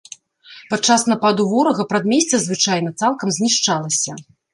Падчас нападу ворага прадмесце, звычайна, цалкам знішчалася.